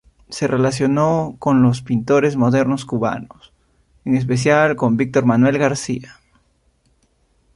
Se relacionó con los pintores modernos cubanos, en especial con Víctor Manuel García.